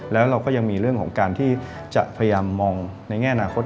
แล้วเราก็ยังมีเรื่องของการที่จะพยายามมองในแง่อนาคต